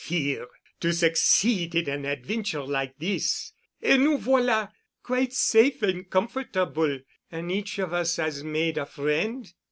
Fear. To succeed in an adventure like this—Et nous voilà! Quite safe and comfortable—an' each of us 'as made a friend.